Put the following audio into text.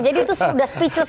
jadi itu sudah speechless